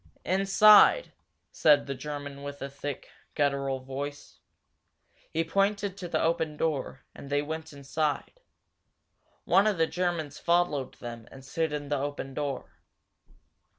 "Inside!" said the German with the thick, guttural voice. He pointed to the open door, and they went inside. One of the Germans followed them and stood in the open door.